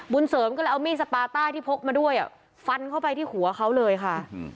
เสริมก็เลยเอามีดสปาต้าที่พกมาด้วยฟันเข้าไปที่หัวเขาเลยค่ะ